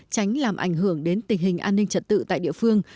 tránh làm ảnh hưởng đến tình hình an ninh trật tự tại địa phương